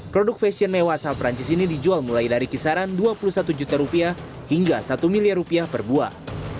produk fashion mewah asal perancis ini dijual mulai dari kisaran dua puluh satu juta rupiah hingga satu miliar rupiah per buah